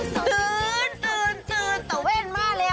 สวัสดีค่ะรุ่นก่อนเวลาเหนียวกับดาวสุภาษฎรามมาแล้วค่ะ